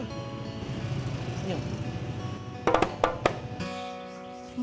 tenang ya pur